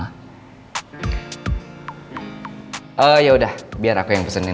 oh ya udah biar aku yang pesenin aja ya